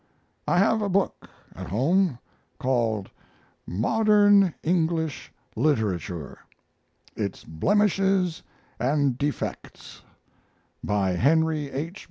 I have a book at home called Modern English Literature: Its Blemishes and Defects, by Henry H.